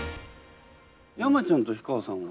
山ちゃんと氷川さんは？